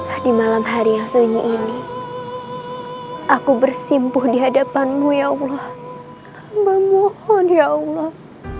hai di malam hari yang sunyi ini aku bersimpuh di hadapanmu ya allah mohon ya allah